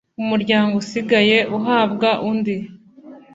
umuryango usigaye uhabwa undi.